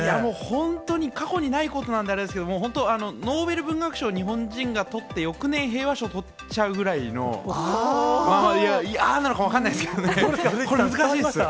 本当に過去にないことなんであれなんですけれども、本当、ノーベル文学賞日本人がとって、翌年、平和賞とっちゃうぐらいの、いや、なんか分からないですけれどもね、これ、難しいっす。